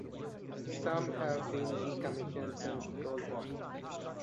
Some have been decommissioned since the Cold War.